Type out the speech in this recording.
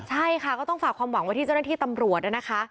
ใช่ค่ะก็ต้องฝากความหวังไว้ที่เจ้าหน้าที่ตำรวจนะคะ